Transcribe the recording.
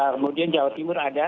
kemudian jawa timur ada